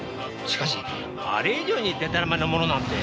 しかしあれ以上にでたらめなものなんて。